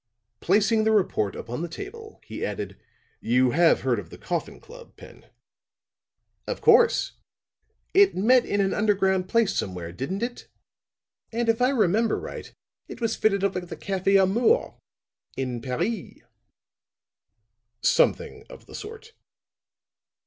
Placing the report upon the table, he added: "You have heard of the Coffin Club, Pen?" "Of course. It met in an underground place somewhere, didn't it? And if I remember right, it was fitted up like the Café Au Mort in Paris." "Something of the sort."